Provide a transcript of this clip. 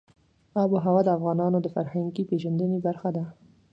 آب وهوا د افغانانو د فرهنګي پیژندنې برخه ده.